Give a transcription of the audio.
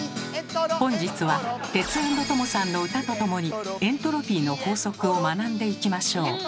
本日はテツａｎｄトモさんの歌とともにエントロピーの法則を学んでいきましょう。